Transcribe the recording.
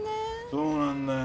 そうなんだよ。